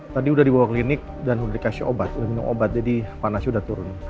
tadi udah dibawa klinik dan dikasih obat udah minum obat jadi panasnya udah turun